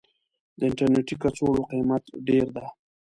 د انټرنيټي کڅوړو قيمت ډير ده.